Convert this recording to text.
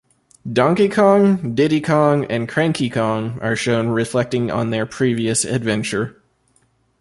Donkey Kong, Diddy Kong, and Cranky Kong are shown reflecting on their previous adventure.